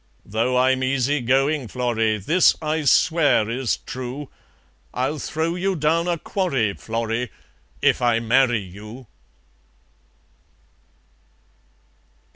Though I'm easygoin', Florrie, This I swear is true, I'll throw you down a quarry, Florrie, If I marry you."